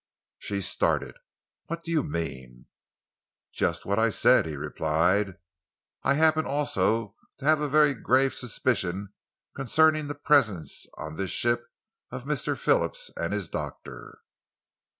She started. "What do you mean?" "Just what I say," he replied. "I happen also to have very grave suspicions concerning the presence on this ship of Mr. Phillips and his doctor."